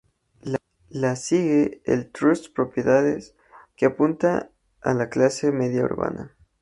La sigue "El Trust Propiedades", que apunta ya a la clase media urbana.